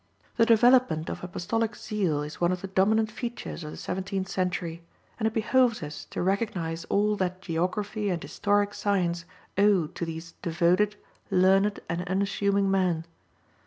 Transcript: The development of Apostolic zeal is one of the dominant features of the seventeenth century, and it behoves us to recognize all that geography and historic science owe to these devoted, learned, and unassuming men.